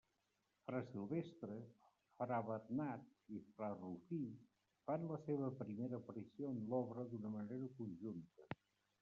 Fra Silvestre, fra Bernat i fra Rufí fan la seva primera aparició en l'obra, d'una manera conjunta.